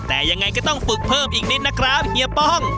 แต่ยังไงก็ต้องฝึกเพิ่มอีกนิดนะครับเฮียป้อง